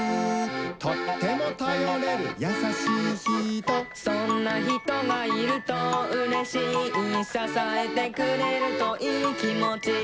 「とってもたよれるやさしいひと」「そんなひとがいるとうれしい」「ささえてくれるといいきもち」